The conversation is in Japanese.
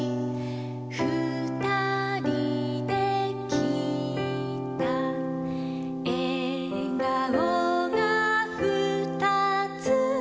「ふたりできいた」「えがおがふたつ」